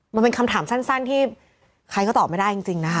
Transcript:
มันเป็นคำถามสั้นที่ใครก็ตอบไม่ได้จริงนะคะ